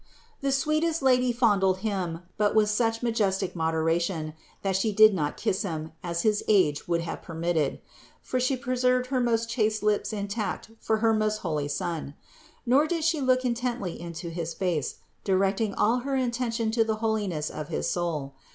The sweetest Lady fondled him, but with such majestic mod eration, that She did not kiss him, as his age would have permitted; for She preserved her most chaste lips intact 226 CITY OF GOD for her most holy Son. Nor did She look intently into his face, directing all her intention to the holiness of his soul.